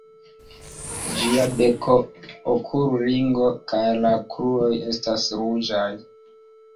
Ĝia beko, okulringo kaj la kruroj estas ruĝaj.